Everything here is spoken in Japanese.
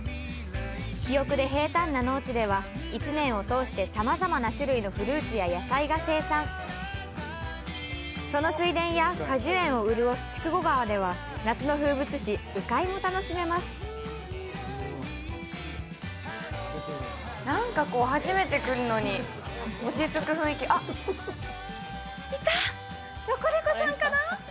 肥沃で平坦な農地では１年を通してさまざまな種類のフルーツや野菜が生産その水田や果樹園を潤す筑後川では夏の風物詩・鵜飼も楽しめますなんかこう初めて来るのに落ち着く雰囲気あっいたロコレコさんかな？